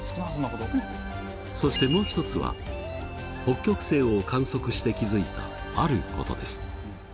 そしてもう一つは北極星を観測して気付いたあることです。